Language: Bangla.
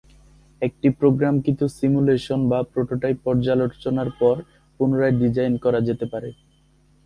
একটি প্রোগ্রামকৃত সিমুলেশন বা প্রোটোটাইপ পর্যালোচনার পর পুনরায় ডিজাইন করা যেতে পারে।